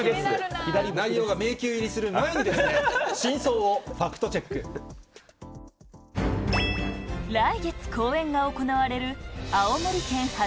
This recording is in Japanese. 内容が迷宮入りする前に、来月公演が行われる青森県八